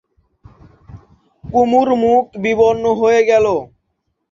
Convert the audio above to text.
কুমুর মুখ বিবর্ণ হয়ে গেল।